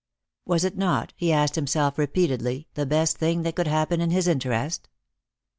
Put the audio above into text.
Was it not, he asked himself repeatedly, the best thing that could happen in his interest?